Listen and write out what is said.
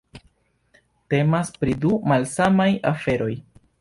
Temas pri du malsamaj aferoj.